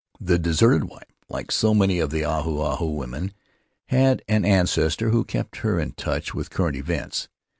The deserted wife, like so many of the Ahu Ahu women, had an ancestor who kept her in touch with current events.